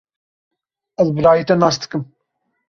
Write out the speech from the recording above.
Ez birayê te nas dikim.